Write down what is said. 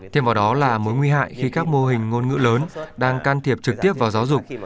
thêm vào đó là mối nguy hại khi các mô hình ngôn ngữ lớn đang can thiệp trực tiếp vào giáo dục